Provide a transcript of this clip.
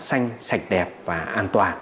xanh sạch đẹp và an toàn